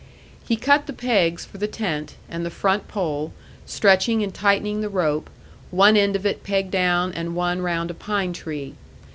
He cut the pegs for the tent, and the front pole, stretching and tightening the rope, one end of it pegged down and one round a pine tree.